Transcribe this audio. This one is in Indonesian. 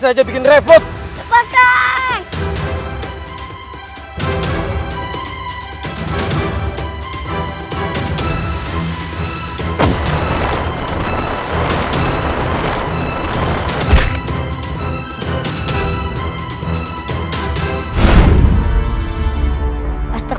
aku akan membuatmu mati